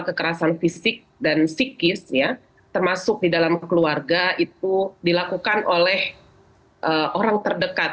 kekerasan fisik dan psikis ya termasuk di dalam keluarga itu dilakukan oleh orang terdekat